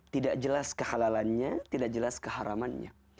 tidak jelas kehalalannya tidak jelas keharamannya